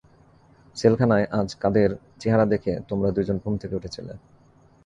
সেলখানায় আজ কাদের চেহারা দেখে তোমরা দুইজন ঘুম থেকে উঠেছিলে?